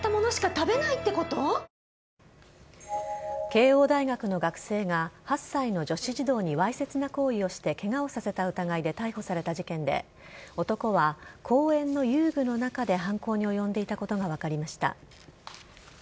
慶応大学の学生が８歳の女子児童にわいせつな行為をしてケガをさせた疑いで逮捕された事件で男は公園の遊具の中で犯行におよんでいたことが分かりました。